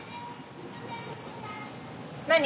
何？